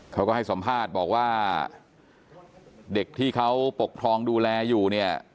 เขาก็ให้สัมภาษณ์บอกว่าเด็กที่เขาปกครองดูแลอยู่เนี่ย